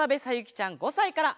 ちゃん５さいから。